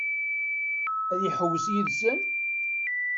Ad iḥewwes yid-sen?